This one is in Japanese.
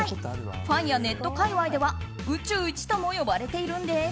ファンやネット界隈では宇宙一とも呼ばれているんです。